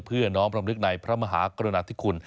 เพื่อน้องพร้อมนึกในพระมหากรณฑิคุณ